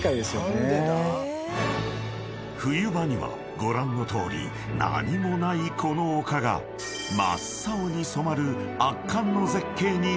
［冬場にはご覧のとおり何もないこの丘が真っ青に染まる圧巻の絶景になるという］